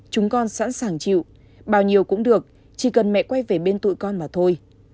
chúng con sẵn sàng chịu bao nhiêu cũng được chỉ cần mẹ quay về bên tụi con mà thôi